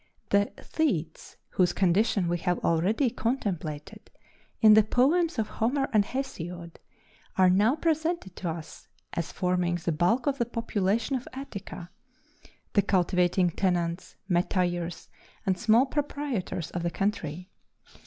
The Thetes, whose condition we have already contemplated in the poems of Homer and Hesiod, are now presented to us as forming the bulk of the population of Attica the cultivating tenants, metayers, and small proprietors of the country.